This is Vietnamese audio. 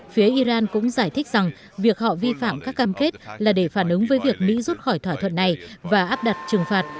phía iran cũng giải thích rằng việc họ vi phạm các cam kết là để phản ứng với việc mỹ rút khỏi thỏa thuận này và áp đặt trừng phạt